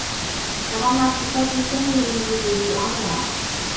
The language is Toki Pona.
kalama pi toki sewi lili ni li awen a.